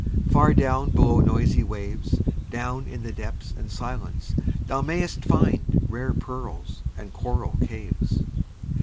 far down below the noisy waves, Down in the depths and silence thou mayst find Rare pearls and coral caves.